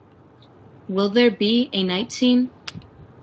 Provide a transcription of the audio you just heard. Will there be a night scene